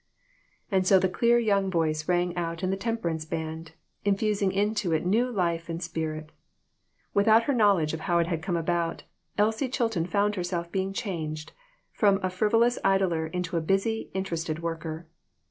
And so the clear young voice rang out in the temperance band, infusing into it new life and spirit. Without her knowing how it had come about, Elsie Chilton found herself being changed from a frivolous idler into a busy, interested worker.